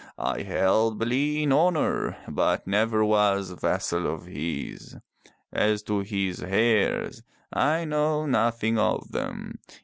I held Bele in honor but never was vassal of his. As to his heirs, I know nothing of them.